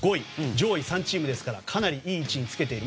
上位３チームですからかなりいい位置につけている。